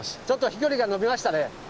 ちょっと飛距離がのびましたね。